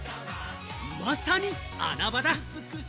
まさに穴場だ！